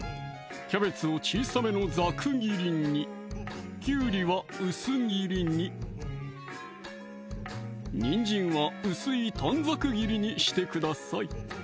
キャベツを小さめのざく切りにきゅうりは薄切りににんじんは薄い短冊切りにしてください